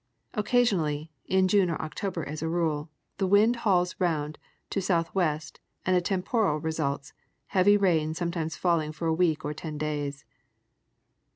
Occasionally, in June or October as a rule, the wind hauls round to southwest and a temporal results, heavy rain sometimes falling for a week or ten days.